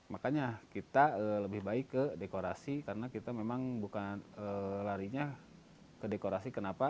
makanya kita lebih baik ke dekorasi karena kita memang bukan larinya ke dekorasi kenapa